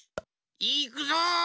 いくぞ！